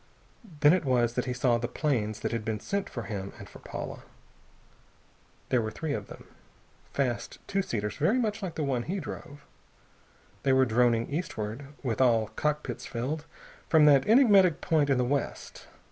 Then it was that he saw the planes that had been sent for him and for Paula. There were three of them, fast two seaters very much like the one he drove. They were droning eastward, with all cockpits filled, from that enigmatic point in the west.